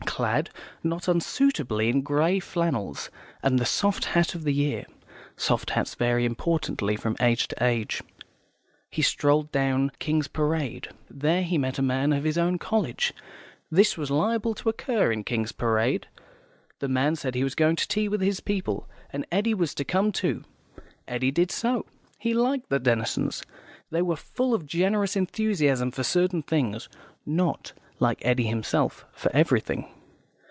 Clad not unsuitably in grey flannels and the soft hat of the year (soft hats vary importantly from age to age), he strolled down King's Parade. There he met a man of his own college; this was liable to occur in King's Parade. The man said he was going to tea with his people, and Eddy was to come too. Eddy did so. He liked the Denisons; they were full of generous enthusiasm for certain things (not, like Eddy himself, for everything).